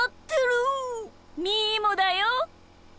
みーもだよ！